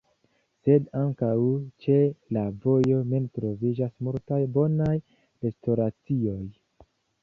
Sed ankaŭ ĉe la vojo mem troviĝas multaj bonaj restoracioj.